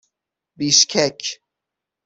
بیشکک